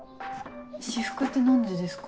私服って何でですか？